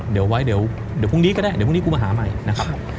เดี๋ยวไว้เดี๋ยวพรุ่งนี้ก็ได้เดี๋ยวพรุ่งนี้กูมาหาใหม่นะครับ